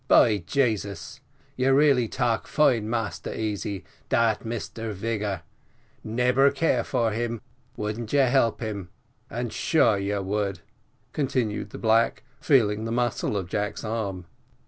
"By Jasus, you really tark fine, Massa Easy; dat Mr Vigor nebber care for him, wouldn't you lik him and sure you would," continued the black, feeling the muscle of Jack's arm.